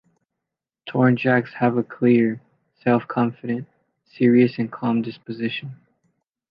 Tornjaks have a clear, self-confident, serious and calm disposition.